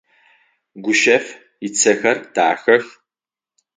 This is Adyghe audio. Гущэф ыцэхэр дахэх.